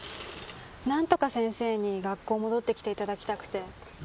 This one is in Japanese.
何とか先生に学校戻ってきていただきたくて。